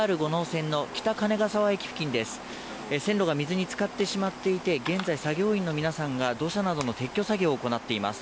線路が水に浸かってしまっていて現在、作業員の皆さんが土砂などの撤去作業を行っています。